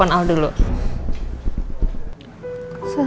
ini andin gak aktif lagi